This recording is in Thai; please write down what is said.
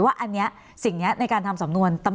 คุณจอมขอบพระคุณครับ